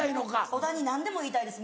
小田に何でも言いたいです